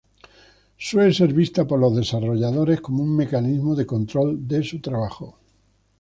Suele ser vista por los desarrolladores como un mecanismo de control de su trabajo.